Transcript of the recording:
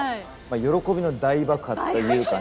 喜びの大爆発というかね。